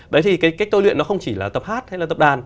đấy thì cái cách tôi luyện nó không chỉ là tập hát hay là tập đàn